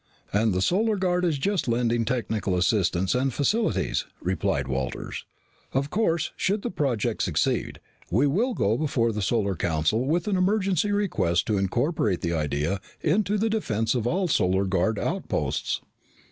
"And the Solar Guard is just lending technical assistance and facilities," supplied Walters. "Of course, should the project succeed, we will go before the Solar Council with an emergency request to incorporate the idea into the defense of all Solar Guard outposts."